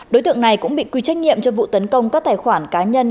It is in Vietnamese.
đối tượng này cũng bị quy trách nhiệm cho vụ tấn công các tài khoản cá nhân